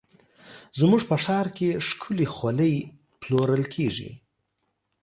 زموږ په ښار کې ښکلې خولۍ پلورل کېږي.